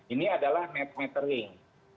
ini adalah metering